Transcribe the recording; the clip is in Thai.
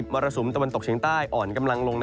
รสุมตะวันตกเฉียงใต้อ่อนกำลังลง